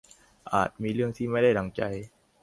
อาจมีเรื่องที่ไม่ได้ดั่งใจ